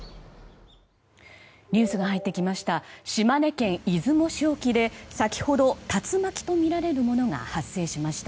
ニュースが入ってきました。